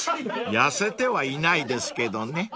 ［痩せてはいないですけどね］